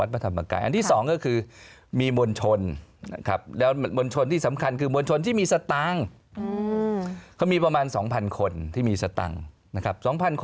เพื่อรองรับ